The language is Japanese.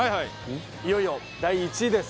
いよいよ第１位です。